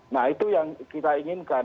nah itu yang kita inginkan